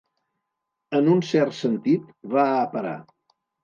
En un cert sentit, va a parar.